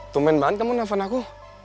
tumben banget kamu nelpon aku